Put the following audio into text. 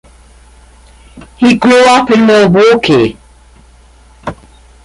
He grew up in Milwaukee.